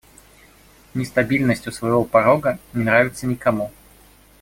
Нестабильность у своего порога не нравится никому.